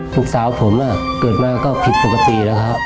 ลูกสาวผมเกิดมาก็ผิดปกติแล้วครับ